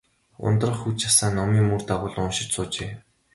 Ундрах хүж асаан, номын мөр дагуулан уншиж суужээ.